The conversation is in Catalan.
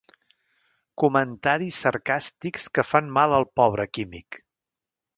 Comentaris sarcàstics que fan mal al pobre químic.